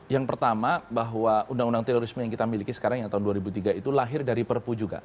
yang pertama bahwa undang undang terorisme yang kita miliki sekarang yang tahun dua ribu tiga itu lahir dari perpu juga